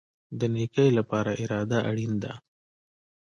د نیکۍ لپاره اراده اړین ده